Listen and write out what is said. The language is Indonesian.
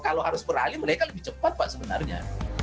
kalau harus beralih mereka lebih cepat pak sebenarnya